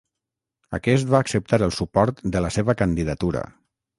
Aquest va acceptar el suport de la seva candidatura.